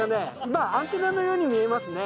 まあアンテナのように見えますね。